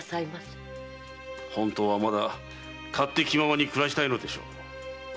本当はまだ勝手気ままに暮らしたいのでしょう。